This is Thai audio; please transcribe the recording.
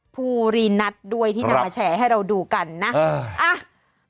ภูรีนัทด้วยที่นำมาแชร์ให้เราดูกันนะ